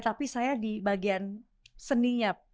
tapi saya di bagian seni ya